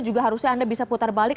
juga harusnya anda bisa putar balik